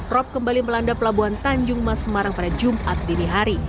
rob kembali melanda pelabuhan tanjung mas semarang pada jumat dini hari